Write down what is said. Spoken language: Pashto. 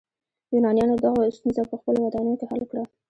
یونانیانو دغه ستونزه په خپلو ودانیو کې حل کړه.